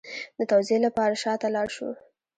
د توضیح لپاره شا ته لاړ شو